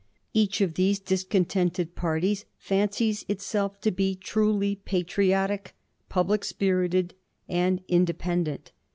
Each of these discontented parties fancies itself to be truly patriotic, public spirited, and inde pendent.